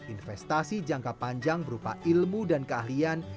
investasi jangka panjang berupa ilmu dan keahlian